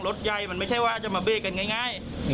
รถไยมันไม่ใช่ว่าจะมาเบลเกิดง่าย